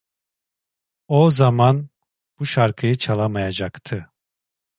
O zaman bu şarkıyı çalamayacaktı.